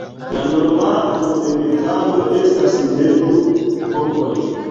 La normala ovodemetado estas de du ovoj.